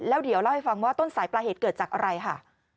แล้วเดี๋ยวเล่าให้ฟังว่าต้นสายปลายเหตุเกิดจากอะไรค่ะ